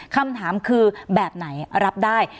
คำถามคือแบบไหนรับได้